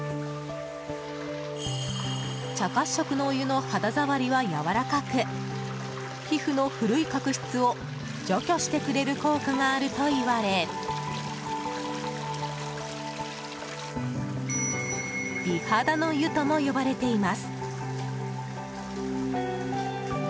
茶褐色のお湯の肌触りはやわらかく皮膚の古い角質を除去してくれる効果があるといわれ美肌の湯とも呼ばれています。